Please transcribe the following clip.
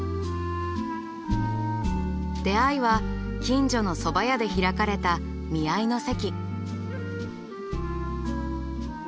出会いは近所の蕎麦屋で開かれた見合いの席。